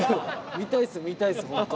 見たいです見たいですホント。